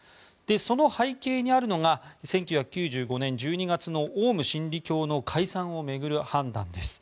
その背景にあるのが１９９５年１２月のオウム真理教の解散を巡る判断です。